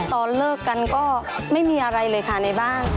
ตอนเลิกกันก็ไม่มีอะไรเลยค่ะในบ้าน